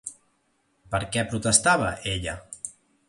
Per què protestava ella?